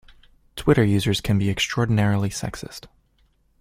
Twitter users can be extraordinarily sexist